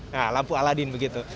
nah lampu aladin begitu